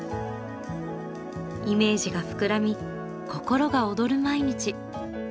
イメージが膨らみ心が躍る毎日。